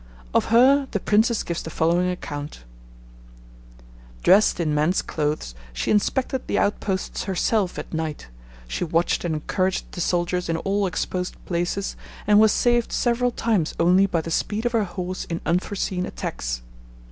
Of her the Princess gives the following account: Dressed in man's clothes, she inspected the outposts herself at night, she watched and encouraged the soldiers in all exposed places, and was saved several times only by the speed of her horse in unforeseen attacks.